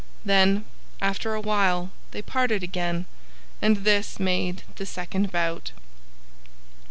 Then, after a while, they parted again, and this made the second bout.